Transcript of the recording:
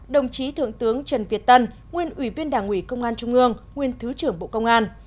đồng chí thượng tướng trần việt tân nguyên ủy viên đảng ủy công an trung ương nguyên thứ trưởng bộ công an